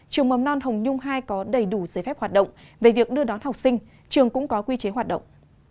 trường mầm non hồng nhung hai có đầy đủ giấy phép hoạt động về việc đưa đón học sinh trường cũng có quy chế hoạt động